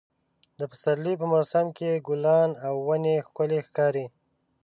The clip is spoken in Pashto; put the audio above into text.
د پسرلي په موسم کې ګلان او ونې ښکلې ښکاري.